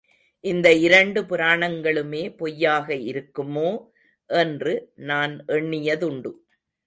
இந்த இரண்டு புராணங்களுமே பொய்யாக இருக்குமோ என்று நான் எண்ணியதுண்டு.